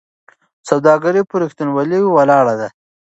سوداګري په رښتینولۍ ولاړه ده.